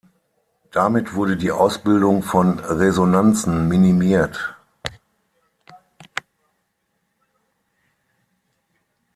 Damit wurde die Ausbildung von Resonanzen minimiert.